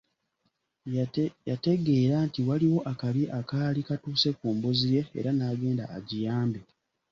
Yategeera nti waaliwo akabi akaali katuuse ku mbuzi ye era n'agende agiyambe.